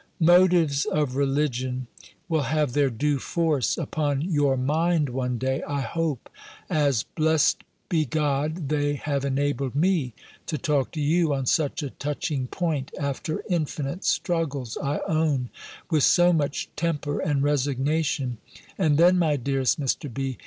"Motives of religion will have their due force upon your mind one day, I hope; as, blessed be God, they have enabled me to talk to you on such a touching point (after infinite struggles, I own,) with so much temper and resignation; and then, my dearest Mr. B.